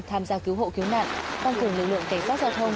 tham gia cứu hộ cứu nạn tăng cường lực lượng cảnh sát giao thông